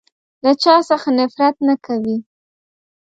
له چا څخه نفرت نه کوی.